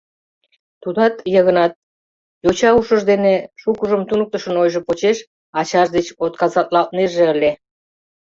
Тудат, Йыгнат, йоча ушыж дене, шукыжым туныктышын ойжо почеш ачаж деч отказатлалтнеже ыле.